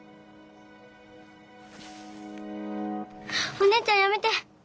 お姉ちゃんやめて！